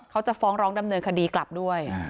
เขาจะฟ้องร้องดำเนินคดีกลับด้วย